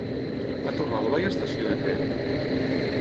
A Torralba hi ha estació de tren?